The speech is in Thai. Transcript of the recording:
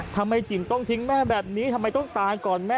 ทำไมจิ๋มต้องทิ้งแม่แบบนี้ทำไมต้องตายก่อนแม่